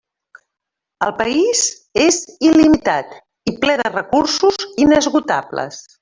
El país és il·limitat i ple de recursos inesgotables.